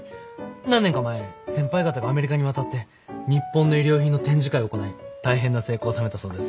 何年か前先輩方がアメリカに渡って日本の衣料品の展示会を行い大変な成功を収めたそうです。